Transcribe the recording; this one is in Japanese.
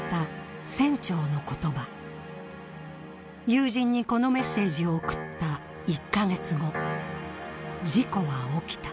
友人にこのメッセージを送った１カ月後事故は起きた。